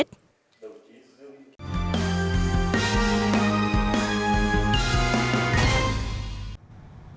đồng chí dương ý